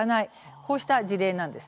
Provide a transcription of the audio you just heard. こうした事例なんです。